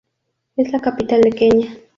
Es la capital de Kenia.